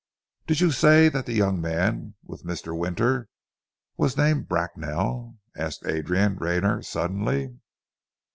"Did you say that the young man with Mr. Winter was named Bracknell?" asked Adrian Rayner suddenly.